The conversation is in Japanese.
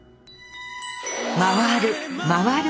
回る回る。